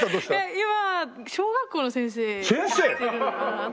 今小学校の先生やってるのかな